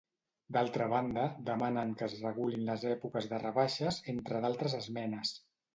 D'altra banda, demanen que es regulin les èpoques de rebaixes, entre d'altres esmenes.